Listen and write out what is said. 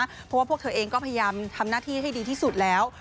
เพราะว่าพวกเธอเองก็พยายามทำหน้าที่ให้ดีที่สุดแล้ว